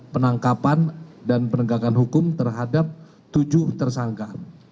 penangkapan dan penegakan hukum terhadap tujuh tersangka